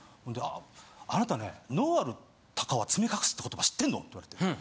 「あなたね『能ある鷹は爪隠す』って言葉知ってんの？」って言われて。